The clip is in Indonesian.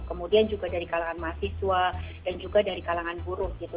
kemudian juga dari kalangan mahasiswa dan juga dari kalangan buruh gitu